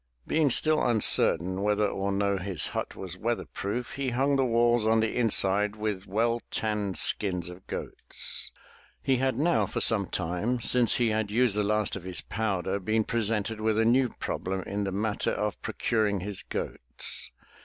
Being still uncertain whether or no his hut was weather proof, he hung the walls on the inside with well tanned skins of goats. He had now for some time, since he had used the last of his powder, been presented with a new problem in the matter of pro curing his goats.